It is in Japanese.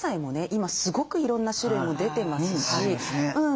今すごくいろんな種類も出てますし。